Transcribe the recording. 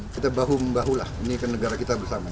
kita bahu membahulah ini kan negara kita bersama